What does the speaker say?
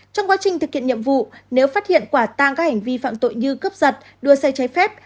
trong quá trình thực hiện nhiệm vụ nếu phát hiện quả tang các hành vi phạm tội như cướp giật đua xe trái phép